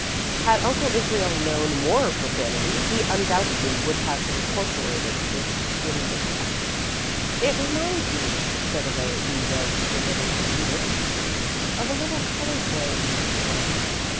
Had Uncle Israel known more profanity, he undoubtedly would have incorporated it in the text. "It reminds me," said Elaine, who was permitted to read it, "of a little coloured boy we used to know.